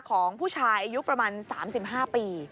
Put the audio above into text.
ของผู้ชายอายุประมาณ๓๕ปี